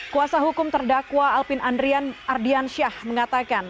kuasa hukum terdakwa alpin andrian ardiansyah mengatakan